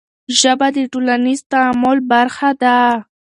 ژبه د ټولنیز تعامل برخه ده.